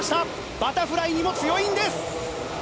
バタフライにも強いんです。